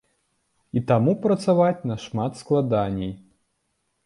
І таму працаваць нашмат складаней.